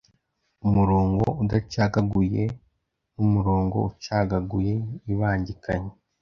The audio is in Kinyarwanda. Umurongo udacagaguye n umurongo ucagaguye ibangikanye